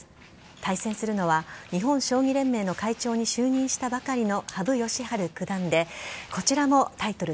対戦するのは日本将棋連盟の会長に就任したばかりの羽生善治九段でこちらもタイトル